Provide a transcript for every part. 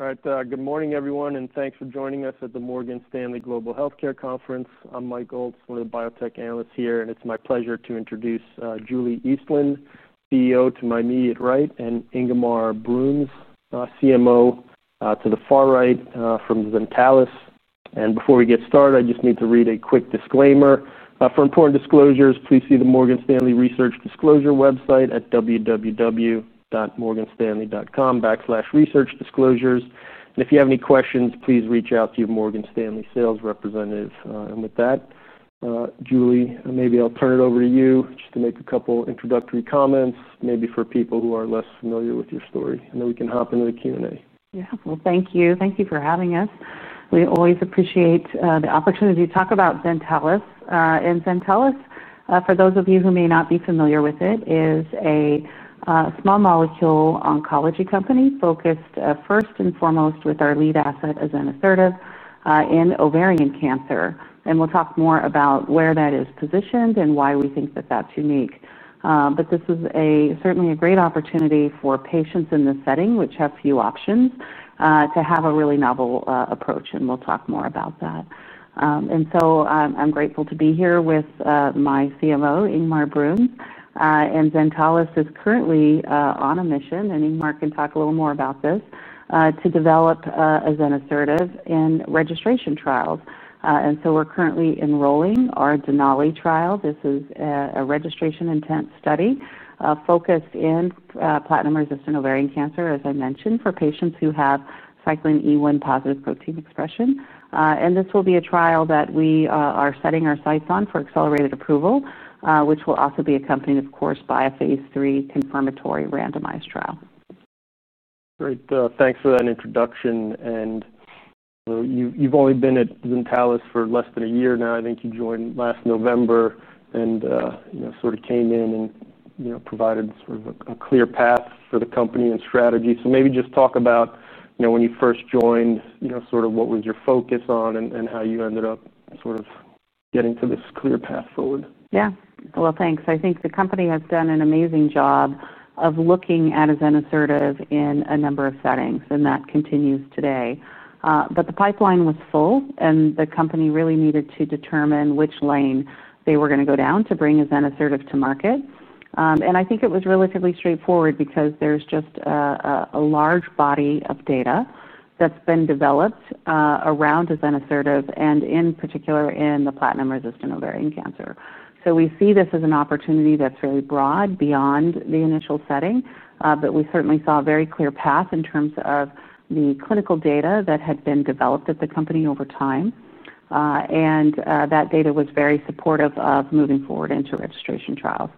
Good morning, everyone, and thanks for joining us at the Morgan Stanley Global Healthcare Conference. I'm Mike Gold, one of the biotech analysts here, and it's my pleasure to introduce Julie Eastland, CEO to my immediate right, and Ingmar Bruns, CMO to the far right from Zentalis Pharmaceuticals. Before we get started, I just need to read a quick disclaimer. For important disclosures, please see the Morgan Stanley Research Disclosure website at www.morganstanley.com/research-disclosures. If you have any questions, please reach out to your Morgan Stanley sales representative. With that, Julie, maybe I'll turn it over to you just to make a couple introductory comments, maybe for people who are less familiar with your story. Then we can hop into the Q&A. Thank you. Thank you for having us. We always appreciate the opportunity to talk about Zentalis. Zentalis, for those of you who may not be familiar with it, is a small molecule oncology company focused first and foremost with our lead asset azenosertib in ovarian cancer. We'll talk more about where that is positioned and why we think that that's unique. This is certainly a great opportunity for patients in this setting, which have few options, to have a really novel approach. We'll talk more about that. I'm grateful to be here with my Chief Medical Officer, Ingmar Bruns. Zentalis is currently on a mission, and Ingmar can talk a little more about this, to develop azenosertib in registration trials. We're currently enrolling our Denali trial. This is a registration-intent study focused in platinum-resistant ovarian cancer, as I mentioned, for patients who have cyclin E1 protein overexpression. This will be a trial that we are setting our sights on for accelerated approval, which will also be accompanied, of course, by a phase 3 confirmatory randomized trial. Great. Thanks for that introduction. You've only been at Zentalis for less than a year now. I think you joined last November and came in and provided a clear path for the company and strategy. Maybe just talk about when you first joined, what was your focus on and how you ended up getting to this clear path forward. Yeah, thanks. I think the company has done an amazing job of looking at azenosertib in a number of settings, and that continues today. The pipeline was full, and the company really needed to determine which lane they were going to go down to bring azenosertib to market. I think it was relatively straightforward because there's just a large body of data that's been developed around azenosertib, in particular in the platinum-resistant ovarian cancer. We see this as an opportunity that's very broad beyond the initial setting. We certainly saw a very clear path in terms of the clinical data that had been developed at the company over time. That data was very supportive of moving forward into registration-intent trials.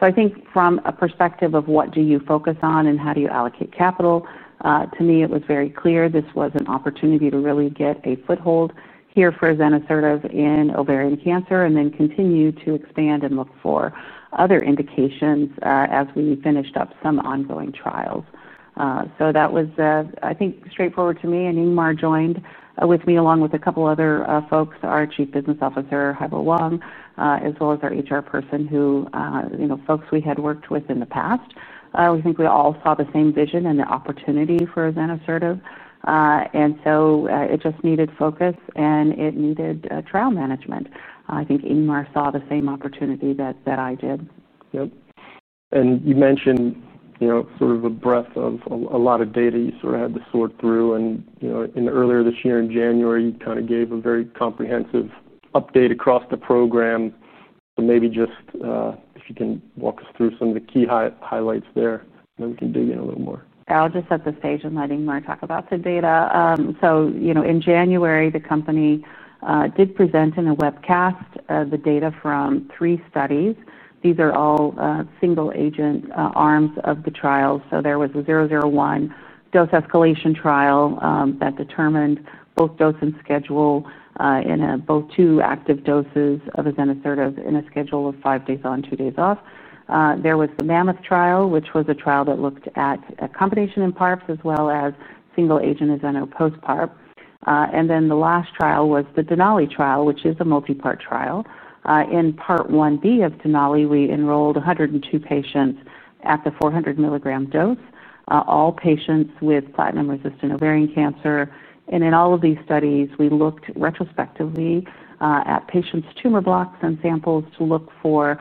I think from a perspective of what do you focus on and how do you allocate capital, to me, it was very clear this was an opportunity to really get a foothold here for azenosertib in ovarian cancer and then continue to expand and look for other indications as we finished up some ongoing trials. That was straightforward to me. Ingmar joined with me, along with a couple other folks, our Chief Business Officer, Haibo Wang, as well as our HR person, who are folks we had worked with in the past. We think we all saw the same vision and the opportunity for azenosertib. It just needed focus, and it needed trial management. I think Ingmar saw the same opportunity that I did. Yes. You mentioned sort of a breadth of a lot of data you had to sort through. Earlier this year in January, you gave a very comprehensive update across the program. Maybe just if you can walk us through some of the key highlights there, and then we can dig in a little more. I'll just set the stage and let Ingmar talk about the data. In January, the company did present in a webcast the data from three studies. These are all single-agent arms of the trial. There was a 001 dose escalation trial that determined both dose and schedule in both two active doses of azenosertib in a schedule of five days on, two days off. There was the Mammoth trial, which was a trial that looked at a combination in PARPs as well as single-agent as an opposed PARP. The last trial was the Denali trial, which is the multipart trial. In part 1B of Denali, we enrolled 102 patients at the 400 milligram dose, all patients with platinum-resistant ovarian cancer. In all of these studies, we looked retrospectively at patients' tumor blocks and samples to look for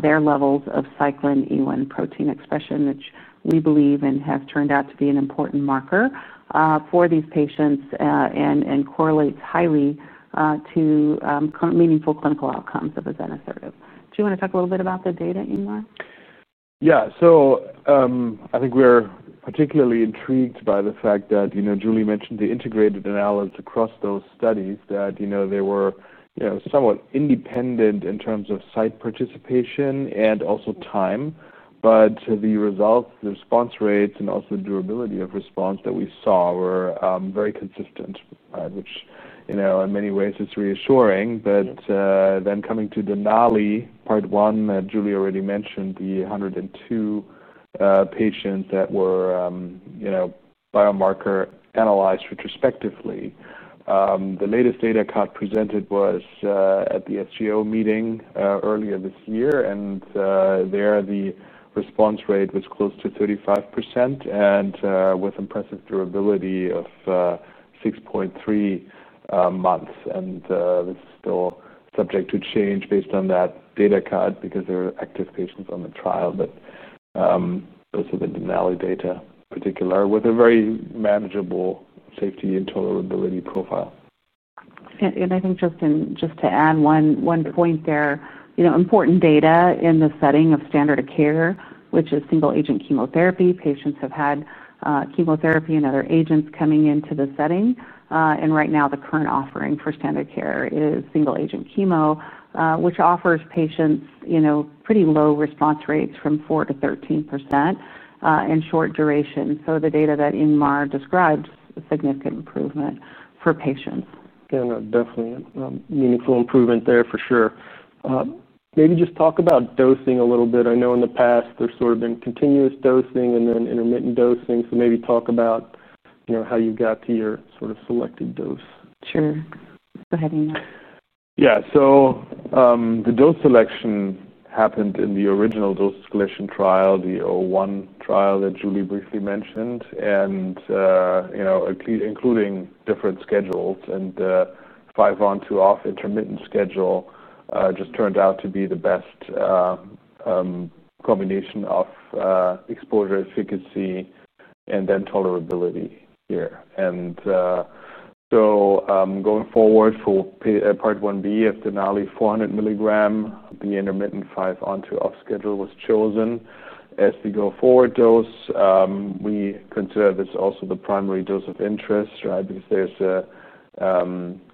their levels of cyclin E1 protein expression, which we believe and have turned out to be an important marker for these patients and correlates highly to current meaningful clinical outcomes of azenosertib. Do you want to talk a little bit about the data, Ingmar? Yeah, I think we're particularly intrigued by the fact that Julie mentioned the integrated analysis across those studies, that they were somewhat independent in terms of site participation and also time. The results, the response rates, and also the durability of response that we saw were very consistent, which in many ways is reassuring. Coming to Denali part 1, Julie already mentioned the 102 patients that were biomarker analyzed retrospectively. The latest data cut presented was at the SGO meeting earlier this year. There, the response rate was close to 35% with impressive durability of 6.3 months. This is still subject to change based on that data cut because there are active patients on the trial. Those are the Denali data in particular with a very manageable safety and tolerability profile. I think just to add one point there, important data in the setting of standard of care, which is single-agent chemotherapy. Patients have had chemotherapy and other agents coming into the setting. Right now, the current offering for standard of care is single-agent chemo, which offers patients pretty low response rates from 4% to 13% and short duration. The data that Ingmar describes is a significant improvement for patients. Yeah, no, definitely meaningful improvement there for sure. Maybe just talk about dosing a little bit. I know in the past, there's sort of been continuous dosing and then intermittent dosing. Maybe talk about how you got to your sort of selected dose. Sure. Go ahead, Ingmar. Yeah, so the dose selection happened in the original dose selection trial, the 01 trial that Julie briefly mentioned, including different schedules. The five on, two off intermittent schedule just turned out to be the best combination of exposure, efficacy, and then tolerability here. Going forward for part 1B of Denali, 400 milligram, the intermittent five on, two off schedule was chosen as the go-forward dose. We consider this also the primary dose of interest, right, because there's a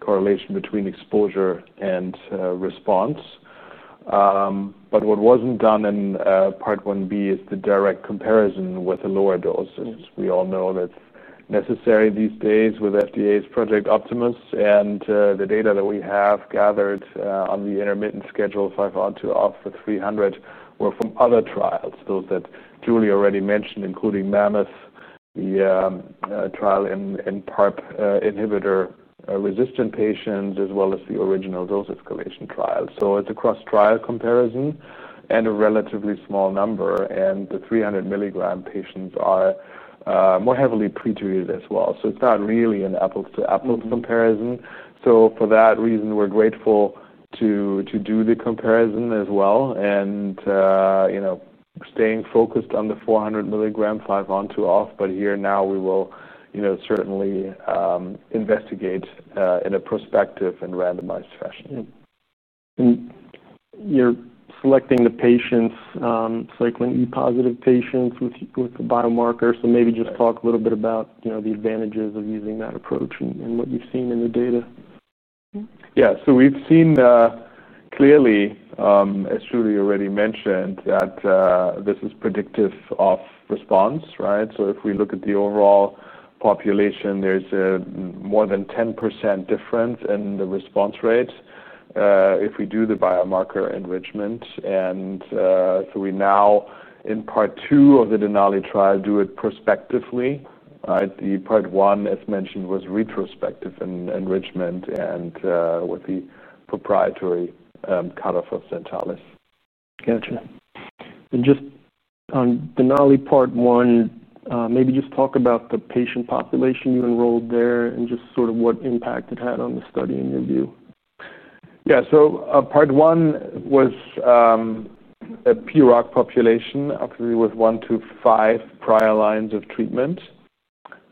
correlation between exposure and response. What wasn't done in part 1B is the direct comparison with a lower dose. We all know that's necessary these days with the FDA's Project Optimus. The data that we have gathered on the intermittent schedule, five on, two off for 300, were from other trials, those that Julie already mentioned, including Mammoth, the trial in PARP inhibitor resistant patients, as well as the original dose escalation trial. It's a cross-trial comparison and a relatively small number. The 300 milligram patients are more heavily pretreated as well. It's not really an apples-to-apples comparison. For that reason, we're grateful to do the comparison as well and staying focused on the 400 milligram five on, two off. Here now, we will certainly investigate in a prospective and randomized fashion. Great. You're selecting the patients, cyclin E positive patients with the biomarker. Maybe just talk a little bit about the advantages of using that approach and what you've seen in the data. Yeah, so we've seen clearly, as Julie already mentioned, that this is predictive of response, right? If we look at the overall population, there's a more than 10% difference in the response rate if we do the biomarker enrichment. We now, in part 2 of the Denali trial, do it prospectively, right? The part 1, as mentioned, was retrospective enrichment and with the proprietary cutoff of Zentalis. Gotcha. Just on Denali part 1, maybe just talk about the patient population you enrolled there and what impact it had on the study in your view. Yeah, part 1 was a PROC population with one to five prior lines of treatment.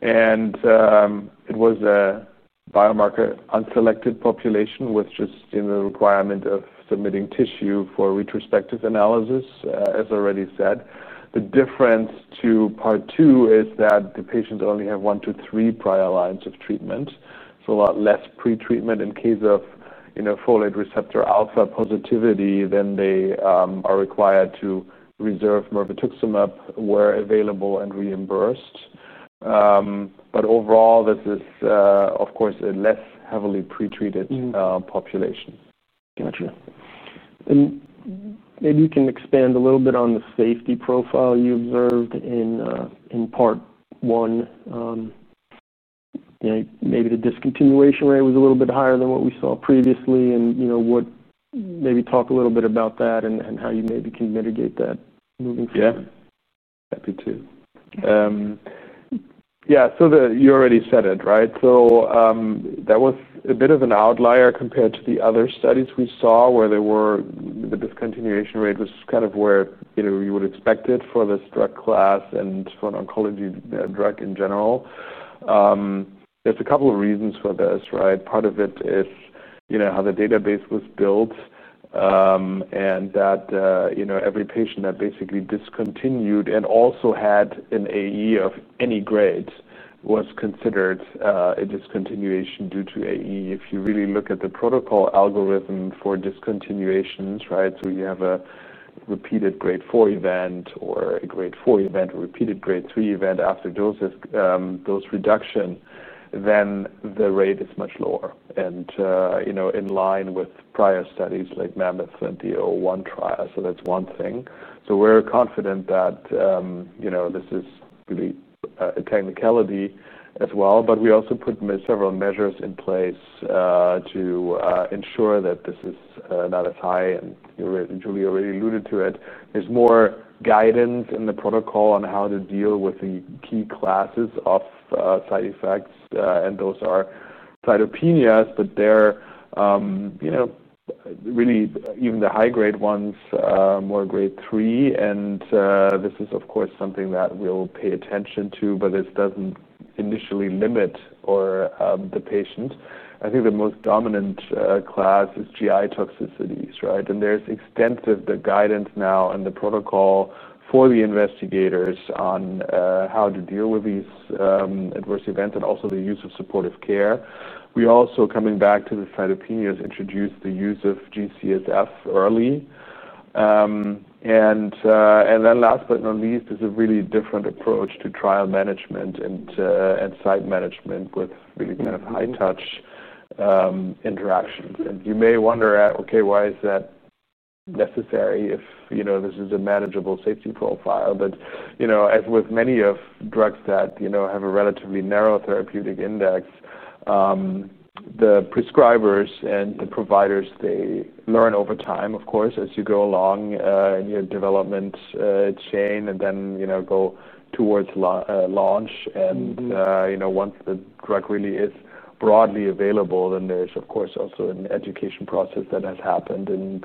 It was a biomarker unselected population with just the requirement of submitting tissue for retrospective analysis, as already said. The difference to part 2 is that the patients only have one to three prior lines of treatment. A lot less pretreatment in case of folate receptor alpha positivity than they are required to reserve mervituximab were available and reimbursed. Overall, this is, of course, a less heavily pretreated population. Gotcha. Maybe you can expand a little bit on the safety profile you observed in part 1. The discontinuation rate was a little bit higher than what we saw previously. Maybe talk a little bit about that and how you can mitigate that moving forward. Yeah, happy to. You already said it, right? That was a bit of an outlier compared to the other studies we saw where the discontinuation rate was kind of where you would expect it for this drug class and for an oncology drug in general. There are a couple of reasons for this, right? Part of it is how the database was built and that every patient that basically discontinued and also had an AE of any grade was considered a discontinuation due to AE. If you really look at the protocol algorithm for discontinuations, you have a repeated grade 4 event or a grade 4 event or repeated grade 3 event after dose reduction, then the rate is much lower and in line with prior studies like Mammoth and the 01 trial. That's one thing. We're confident that this is really a technicality as well. We also put several measures in place to ensure that this is not as high. Julie already alluded to it. There is more guidance in the protocol on how to deal with the key classes of side effects. Those are cytopenias, but even the high-grade ones were grade 3. This is, of course, something that we'll pay attention to, but this doesn't initially limit the patient. I think the most dominant class is GI toxicities. There is extensive guidance now in the protocol for the investigators on how to deal with these adverse events and also the use of supportive care. Coming back to the cytopenias, we introduced the use of GCHF early. Last but not least, there is a really different approach to trial management and site management with really kind of high-touch interactions. You may wonder, OK, why is that necessary if this is a manageable safety profile? As with many drugs that have a relatively narrow therapeutic index, the prescribers and the providers learn over time, of course, as you go along in your development chain and then go towards launch. Once the drug really is broadly available, there is also an education process that has happened and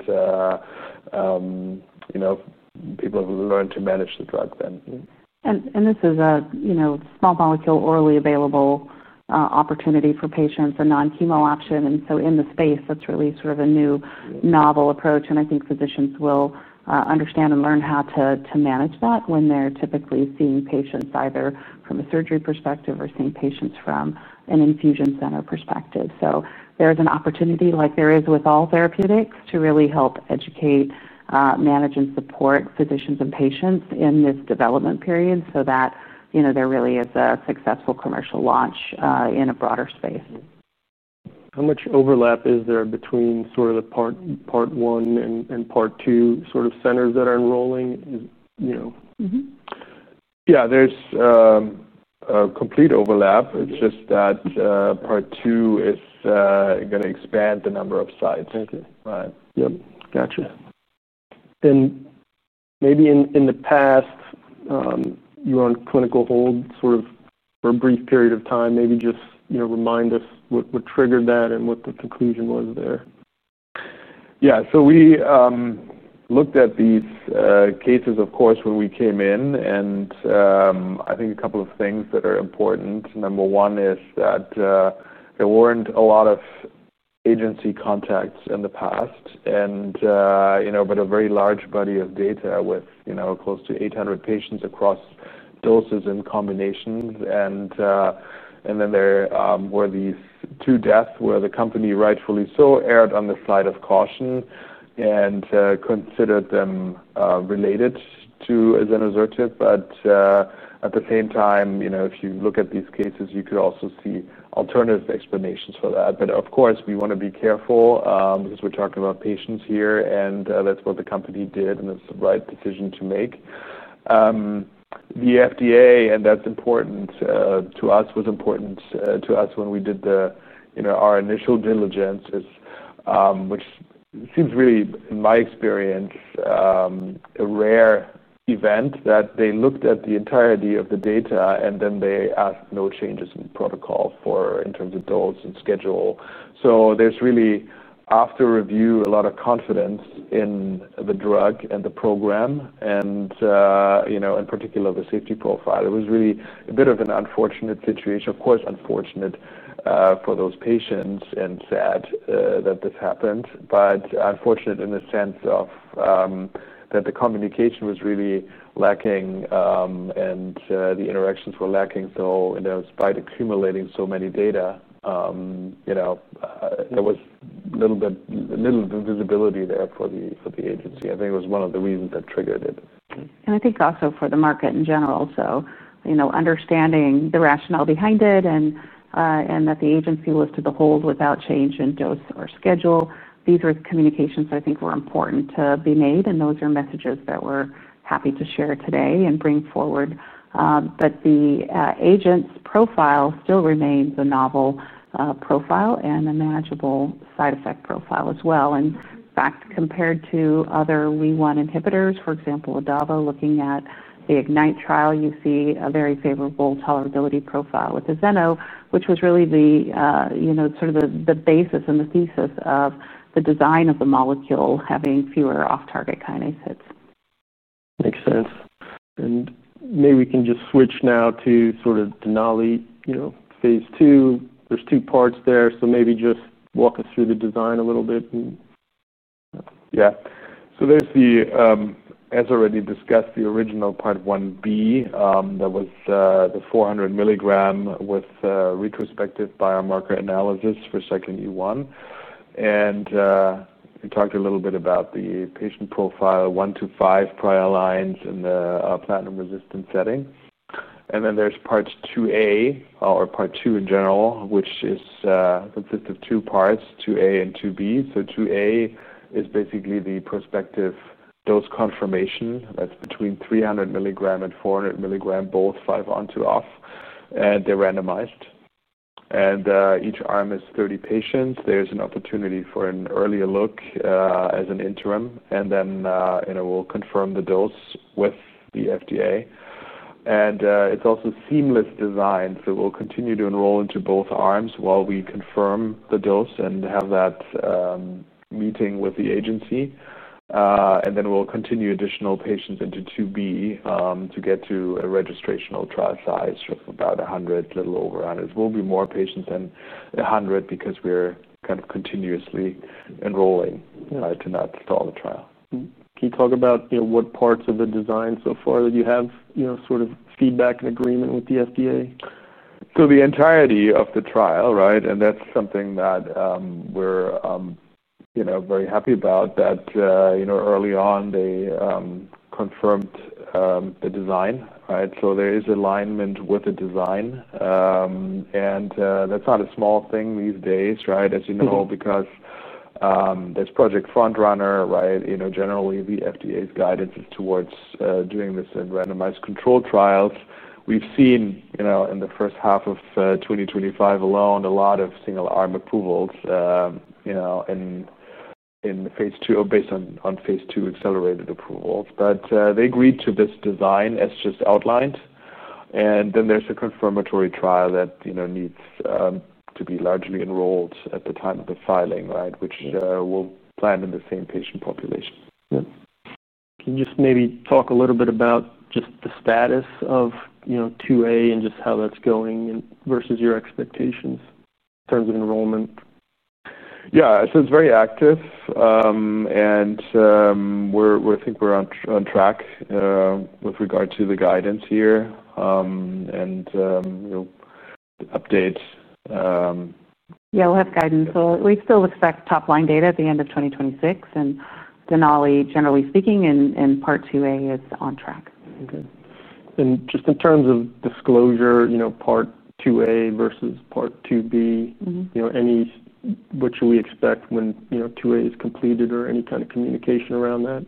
people have learned to manage the drug then. This is a small molecule orally available opportunity for patients, a non-chemo option. In the space, that's really sort of a new novel approach. I think physicians will understand and learn how to manage that when they're typically seeing patients either from a surgery perspective or seeing patients from an infusion center perspective. There is an opportunity, like there is with all therapeutics, to really help educate, manage, and support physicians and patients in this development period so that there really is a successful commercial launch in a broader space. How much overlap is there between sort of the part 1 and part 2 sort of centers that are enrolling? Yeah, there's a complete overlap. It's just that part 2 is going to expand the number of sites. Gotcha. Maybe in the past, you were on clinical hold for a brief period of time. Maybe just remind us what triggered that and what the conclusion was there. Yeah, so we looked at these cases, of course, when we came in. I think a couple of things that are important. Number one is that there weren't a lot of agency contacts in the past and a very large body of data with close to 800 patients across doses and combinations. There were these two deaths where the company, rightfully so, erred on the side of caution and considered them related to azenosertib. At the same time, if you look at these cases, you could also see alternative explanations for that. Of course, we want to be careful because we're talking about patients here. That's what the company did, and it's the right decision to make. The U.S. Food and Drug Administration, and that's important to us, was important to us when we did our initial diligence, which seems really, in my experience, a rare event that they looked at the entirety of the data and then they asked no changes in protocol in terms of dose and schedule. There's really, after review, a lot of confidence in the drug and the program and, in particular, the safety profile. It was really a bit of an unfortunate situation, of course, unfortunate for those patients and sad that this happened, but unfortunate in the sense that the communication was really lacking and the interactions were lacking, though, in spite of accumulating so much data. There was a little bit of visibility there for the agency. I think it was one of the reasons that triggered it. I think also for the market in general, understanding the rationale behind it and that the agency was to the hold without change in dose or schedule. These are communications that I think were important to be made. Those are messages that we're happy to share today and bring forward. The agent's profile still remains a novel profile and a manageable side effect profile as well. In fact, compared to other WEE1 inhibitors, for example, ADAVA, looking at the IGNITE trial, you see a very favorable tolerability profile with the Zeno, which was really the sort of the basis and the thesis of the design of the molecule having fewer off-target kinase hits. Makes sense. Maybe we can just switch now to sort of Denali phase 2. There are two parts there, so maybe just walk us through the design a little bit. Yeah, so there's the, as already discussed, the original part 1B that was the 400 milligram with retrospective biomarker analysis for cyclin E1. We talked a little bit about the patient profile, one to five prior lines in the platinum-resistant setting. There are parts 2A or part 2 in general, which consists of two parts, 2A and 2B. Part 2A is basically the prospective dose confirmation. That's between 300 milligram and 400 milligram, both five on, two off, and they're randomized. Each arm is 30 patients. There's an opportunity for an earlier look as an interim. We'll confirm the dose with the U.S. Food and Drug Administration. It's also seamless design, so we'll continue to enroll into both arms while we confirm the dose and have that meeting with the agency. We'll continue additional patients into 2B to get to a registrational trial size of about 100, a little over 100. There will be more patients than 100 because we're kind of continuously enrolling to not stall the trial. Can you talk about what parts of the design so far that you have sort of feedback and agreement with the U.S. Food and Drug Administration (FDA)? The entirety of the trial, right, and that's something that we're very happy about, that early on they confirmed the design, right? There is alignment with the design. That's not a small thing these days, right, as you know, because there's Project Front Runner, right? Generally, the U.S. Food and Drug Administration's guidance is towards doing this in randomized control trials. We've seen in the first half of 2025 alone a lot of single-arm approvals in phase 2 based on phase 2 accelerated approvals. They agreed to this design as just outlined. There is a confirmatory trial that needs to be largely enrolled at the time of the filing, right, which we'll plan in the same patient population. Yeah. Can you just maybe talk a little bit about the status of 2A and how that's going versus your expectations in terms of enrollment? Yeah, it's very active. I think we're on track with regard to the guidance here and updates. We'll have guidance. We still expect top line data at the end of 2026. Denali, generally speaking, in part 2A, is on track. Very good. In terms of disclosure, you know part 2A versus part 2B, you know what should we expect when 2A is completed or any kind of communication around that?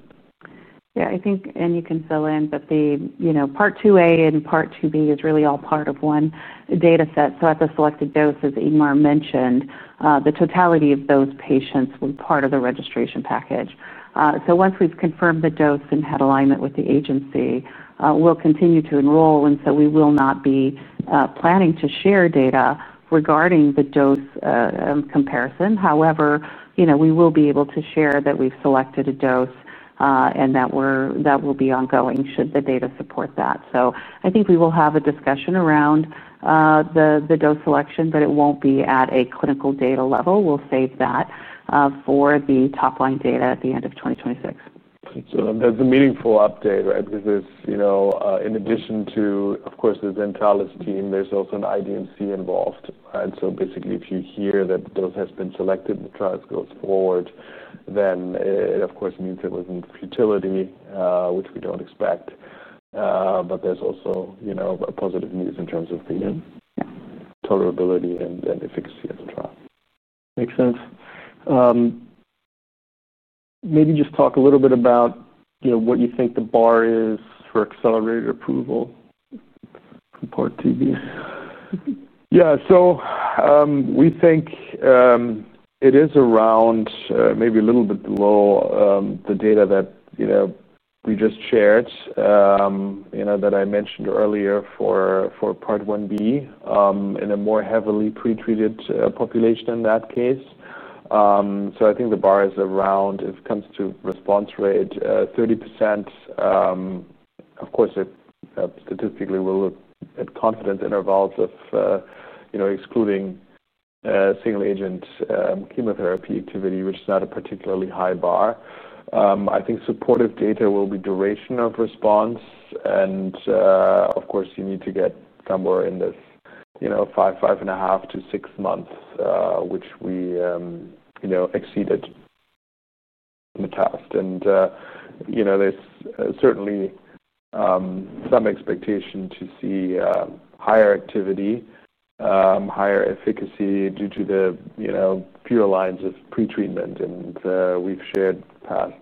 I think, and you can fill in, but they, you know part 2A and part 2B is really all part of one data set. At the selected doses, Ingmar mentioned, the totality of those patients will be part of the registration package. Once we've confirmed the dose and had alignment with the agency, we'll continue to enroll. We will not be planning to share data regarding the dose comparison. However, we will be able to share that we've selected a dose and that will be ongoing should the data support that. I think we will have a discussion around the dose selection, but it won't be at a clinical data level. We'll save that for the top line data at the end of 2026. That's a meaningful update, right, because it's, you know, in addition to, of course, the Zentalis team, there's also an IDMC involved. Basically, if you hear that the dose has been selected and the trial goes forward, then it, of course, means there wasn't futility, which we don't expect. There's also positive news in terms of the tolerability and efficacy of the trial. Makes sense. Maybe just talk a little bit about what you think the bar is for accelerated approval for part 2B. Yeah, we think it is around maybe a little bit below the data that we just shared that I mentioned earlier for part 1B in a more heavily pretreated population in that case. I think the bar is around, if it comes to response rate, 30%. Of course, it statistically will look at confidence intervals of excluding single-agent chemotherapy activity, which is not a particularly high bar. I think supportive data will be duration of response. Of course, you need to get somewhere in this five, five and a half to six months, which we exceeded in the past. There is certainly some expectation to see higher activity, higher efficacy due to the fewer lines of pretreatment. We've shared past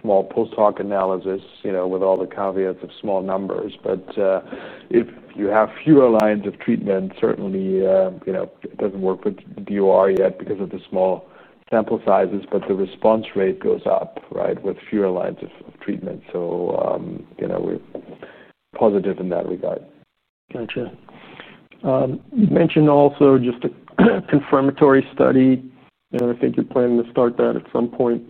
small post-hoc analysis with all the caveats of small numbers. If you have fewer lines of treatment, certainly it doesn't work with DOR yet because of the small sample sizes. The response rate goes up, right, with fewer lines of treatment. We're positive in that regard. Gotcha. You mentioned also just a confirmatory study. I think you're planning to start that at some point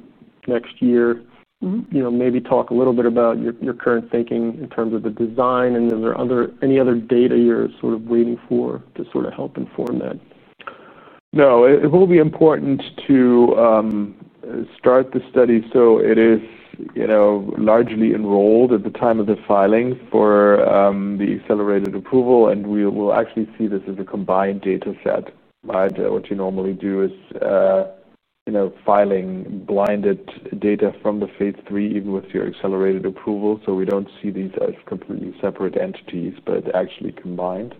next year. Maybe talk a little bit about your current thinking in terms of the design. Is there any other data you're sort of waiting for to sort of help inform that? No, it will be important to start the study so it is largely enrolled at the time of the filing for the accelerated approval. We will actually see this as a combined data set. What you normally do is filing blinded data from the phase 3, even with your accelerated approval. We don't see these as completely separate entities, but actually combined.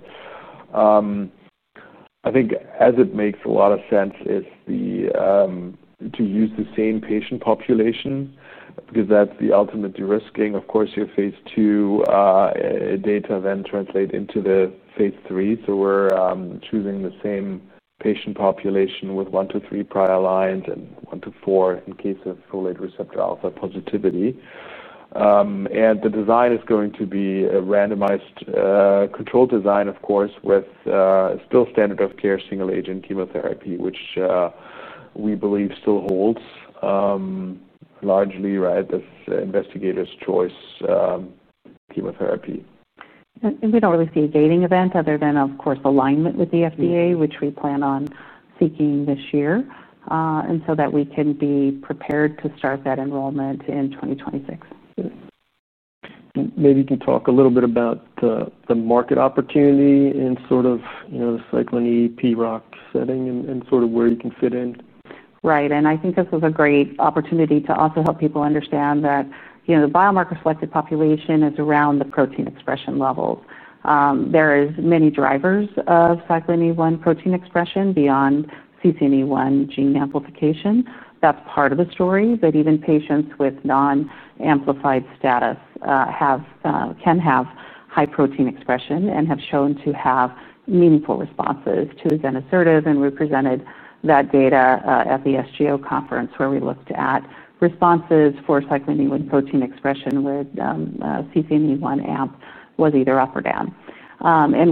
I think as it makes a lot of sense, it's to use the same patient population because that's the ultimate de-risking. Of course, your phase 2 data then translate into the phase 3. We're choosing the same patient population with one to three prior lines and one to four in case of folate receptor alpha positivity. The design is going to be a randomized control design, of course, with still standard of care single-agent chemotherapy, which we believe still holds largely, right, as investigators' choice chemotherapy. We don't really see a gating event other than, of course, alignment with the FDA, which we plan on seeking this year, so that we can be prepared to start that enrollment in 2026. Maybe you could talk a little bit about the market opportunity in sort of the cyclin E1 protein overexpression platinum-resistant ovarian cancer setting and sort of where you can fit in. Right. I think this is a great opportunity to also help people understand that the biomarker selected population is around the protein expression level. There are many drivers of cyclin E1 protein expression beyond CCNE1 gene amplification. That's part of the story. Even patients with non-amplified status can have high protein expression and have shown to have meaningful responses to azenosertib. We presented that data at the SGO conference where we looked at responses for cyclin E1 protein expression with CCNE1 amp was either up or down.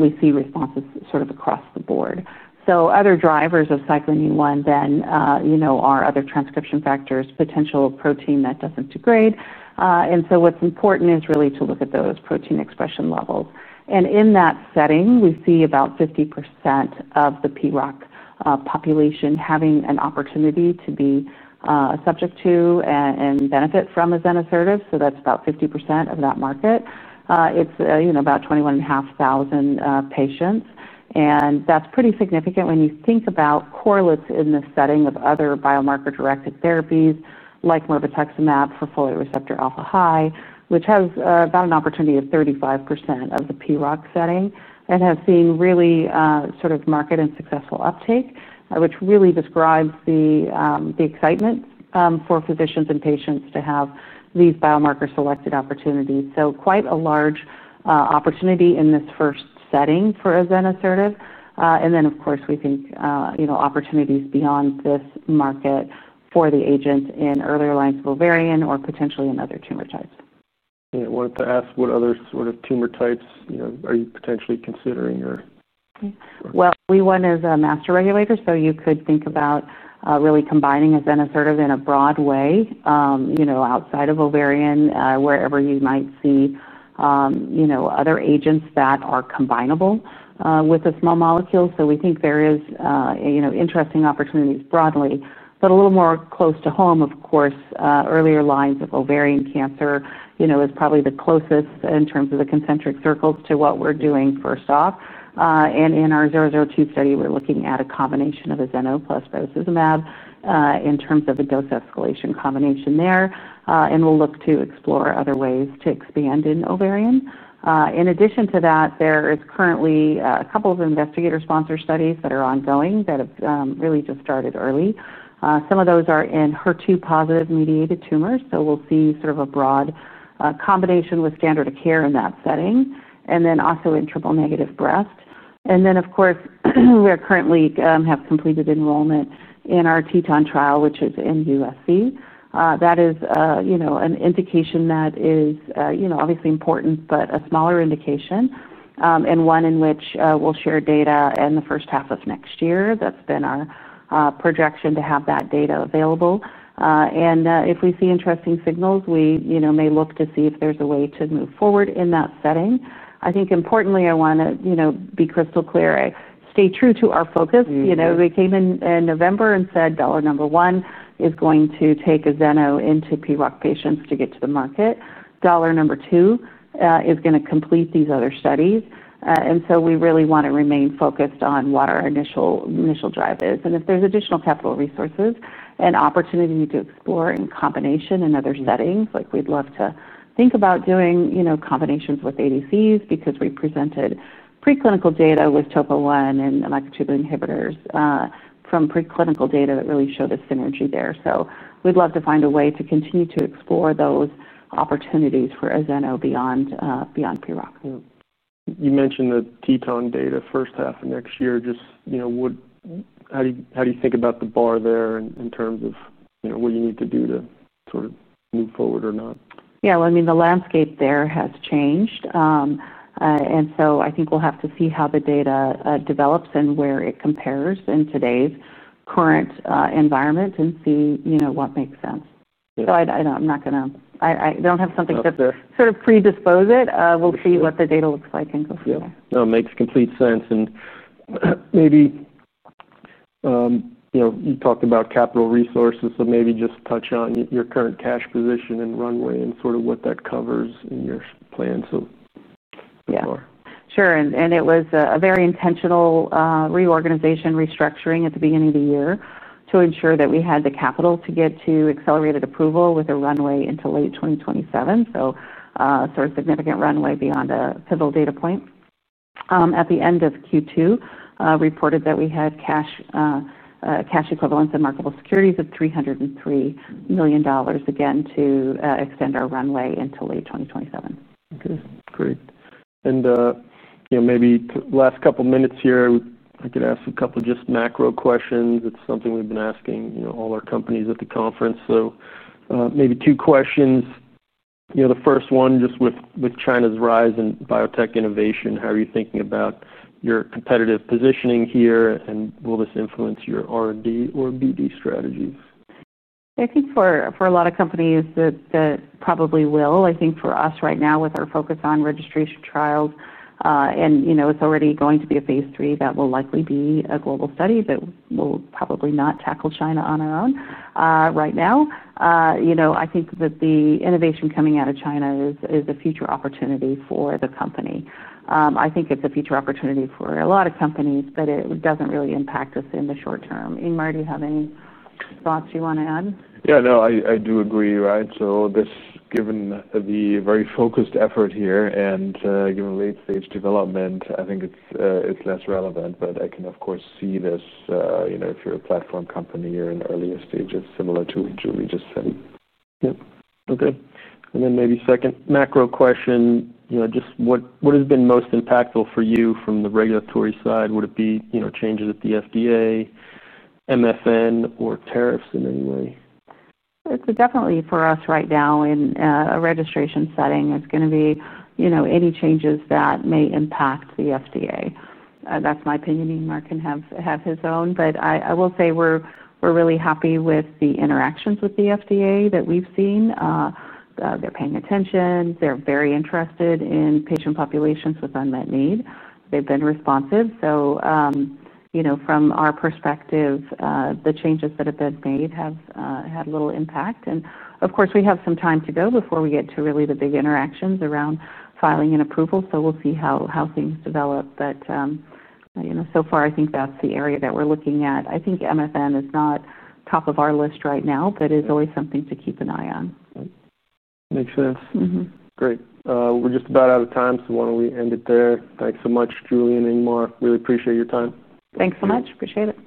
We see responses across the board. Other drivers of cyclin E1 then are other transcription factors, potential protein that doesn't degrade. What's important is really to look at those protein expression levels. In that setting, we see about 50% of the PROC population having an opportunity to be subject to and benefit from azenosertib. That's about 50% of that market. It's about 21,500 patients. That's pretty significant when you think about correlates in the setting of other biomarker-directed therapies like mirvetuximab for folate receptor alpha high, which has about an opportunity of 35% of the PROC setting and has seen really market and successful uptake, which really describes the excitement for physicians and patients to have these biomarker selected opportunities. Quite a large opportunity in this first setting for azenosertib. Of course, we think opportunities beyond this market for the agents in earlier lines of ovarian or potentially in other tumor types. Yeah, I wanted to ask what other sort of tumor types are you potentially considering? We want as a master regulator. You could think about really combining azenosertib in a broad way outside of ovarian, wherever you might see other agents that are combinable with a small molecule. We think there are interesting opportunities broadly. A little more close to home, of course, earlier lines of ovarian cancer is probably the closest in terms of the concentric circle to what we're doing first off. In our 002 study, we're looking at a combination of azenosertib plus bevacizumab in terms of a dose escalation combination there. We'll look to explore other ways to expand in ovarian. In addition to that, there are currently a couple of investigator-sponsored studies that are ongoing that have really just started early. Some of those are in HER2 positive mediated tumors. We'll see sort of a broad combination with standard of care in that setting and then also in triple negative breast. Of course, we currently have completed enrollment in our TTON trial, which is in USC. That is an indication that is obviously important, but a smaller indication and one in which we'll share data in the first half of next year. That's been our projection to have that data available. If we see interesting signals, we may look to see if there's a way to move forward in that setting. I think importantly, I want to be crystal clear, stay true to our focus. We came in in November and said dollar number one is going to take azenosertib into PROC patients to get to the market. Dollar number two is going to complete these other studies. We really want to remain focused on what our initial drive is. If there's additional capital resources and opportunity to explore in combination in other settings, like we'd love to think about doing combinations with ADCs because we presented preclinical data with TOCA-1 and the microtubule inhibitors from preclinical data that really showed a synergy there. We'd love to find a way to continue to explore those opportunities for azenosertib beyond PROC. You mentioned the TTON data first half of next year. How do you think about the bar there in terms of what you need to do to sort of move forward or not? The landscape there has changed. I think we'll have to see how the data develops and where it compares in today's current environment and see what makes sense. I'm not going to, I don't have something to sort of predispose it. We'll see what the data looks like and go from there. Yeah, no, it makes complete sense. You talked about capital resources, but maybe just touch on your current cash position and runway and sort of what that covers in your plan. The bar. Yeah, sure. It was a very intentional reorganization, restructuring at the beginning of the year to ensure that we had the capital to get to accelerated approval with a runway into late 2027, so a sort of significant runway beyond a pivotal data point. At the end of Q2, we reported that we had cash equivalents and marketable securities of $303 million, again to extend our runway until late 2027. Okay, great. Maybe last couple of minutes here, I could ask a couple of just macro questions. It's something we've been asking all our companies at the conference. Maybe two questions. The first one, just with China's rise in biotech innovation, how are you thinking about your competitive positioning here? Will this influence your R&D or BD strategies? I think for a lot of companies that probably will. I think for us right now with our focus on registration-intent trials, and you know it's already going to be a phase 3 that will likely be a global study, that will probably not tackle China on our own right now. I think that the innovation coming out of China is a future opportunity for the company. I think it's a future opportunity for a lot of companies, but it doesn't really impact us in the short term. Ingmar, do you have any thoughts you want to add? Yeah, no, I do agree, right? This, given the very focused effort here and given late-stage development, I think it's less relevant. I can, of course, see this if you're a platform company or in earlier stages similar to what Julie just said. Yep. Okay. Maybe second macro question, you know, just what has been most impactful for you from the regulatory side? Would it be changes at the U.S. Food and Drug Administration, MFN, or tariffs in any way? Definitely for us right now in a registration setting, it's going to be any changes that may impact the U.S. Food and Drug Administration. That's my opinion. Ingmar can have his own. I will say we're really happy with the interactions with the U.S. Food and Drug Administration that we've seen. They're paying attention. They're very interested in patient populations with unmet need. They've been responsive. From our perspective, the changes that have been made have had little impact. Of course, we have some time to go before we get to really the big interactions around filing and approval. We'll see how things develop. So far, I think that's the area that we're looking at. I think MFN is not top of our list right now, but it's always something to keep an eye on. Makes sense. Great. We're just about out of time, so why don't we end it there? Thanks so much, Julie and Ingmar. Really appreciate your time. Thanks so much. Appreciate it.